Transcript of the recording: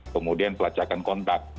kemudian pelacakan kontak